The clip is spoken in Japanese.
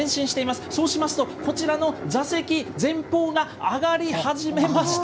そうしますと、こちらの座席前方が上がり始めました。